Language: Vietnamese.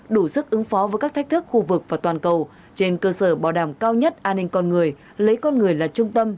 đủ sức ứng phó với các thách thức khu vực và toàn cầu trên cơ sở bảo đảm cao nhất an ninh con người lấy con người là trung tâm